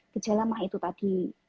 gejala mah itu tadi